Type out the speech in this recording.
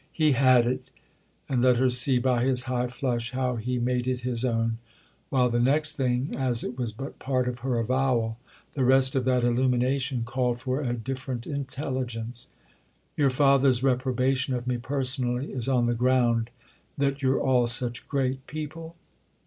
He had it, and let her see by his high flush how he made it his own—while, the next thing, as it was but part of her avowal, the rest of that illumination called for a different intelligence. "Your father's reprobation of me personally is on the ground that you're all such great people?"